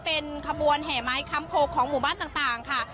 เป็นขบวนแห่ไม้คำโคของหมู่บ้านต่างค่ะ